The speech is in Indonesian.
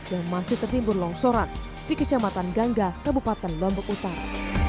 yang masih tertimbun longsoran di kecamatan gangga kabupaten lombok utara